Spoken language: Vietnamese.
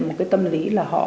một tâm lý